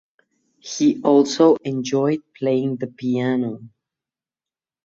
He also enjoyed playing the piano.